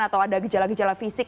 atau ada gejala gejala fisik